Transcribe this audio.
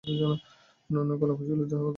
অন্যান্য কলাকুশলীদের কথা যায়নি।